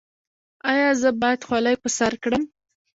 ایا زه باید خولۍ په سر کړم؟